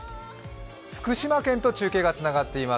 福島県と中継がつながっています。